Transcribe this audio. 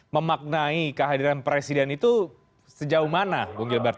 memaknai kehadiran presiden itu sejauh mana bung gilbert